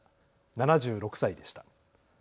７６歳でした。